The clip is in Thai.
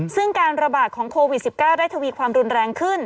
ซึ่งการระบาดของโควิด๑๙ได้ทวีความรุนแรงขึ้น